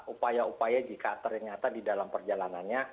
upaya upaya jika ternyata di dalam perjalanannya